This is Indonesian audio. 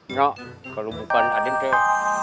nggak kalau bukan aden teh